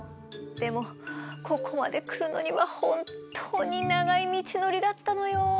でもここまで来るのには本当に長い道のりだったのよ。